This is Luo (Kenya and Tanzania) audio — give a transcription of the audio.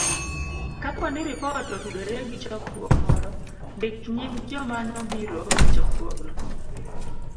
Kapo ni ripot otudore gi chokruok moro, ndik nying joma nobiro e chokruogno.